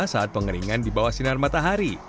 saat pengeringan di bawah sinar matahari